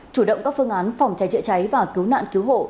chủ động các phương án phòng cháy chữa cháy và cứu nạn cứu hộ